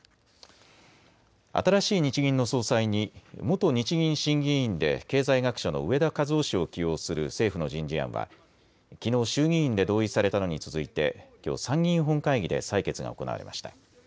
新しい日銀の総裁に元日銀審議委員で経済学者の植田和男氏を起用する政府の人事案はきのう衆議院で同意されたのに続いてきょう参議院本会議で採決が行われました。